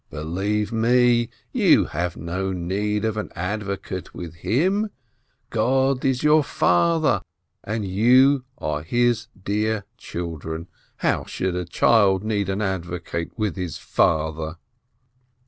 Believe me, you have no need of an advocate with Him; God is your Father, and you are His dear children. How should a child need an advocate with his father?"